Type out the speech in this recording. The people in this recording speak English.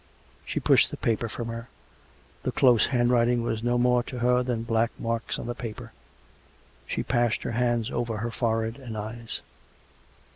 ..." She pushed the paper from her; the close handwriting was no more to her than black marks on the paper. She passed her hands over her forehead and eyes.